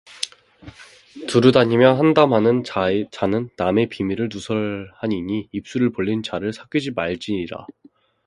두루 다니며 한담하는 자는 남의 비밀를 누설하니니 입술을 벌린 자를 사귀지 말지니라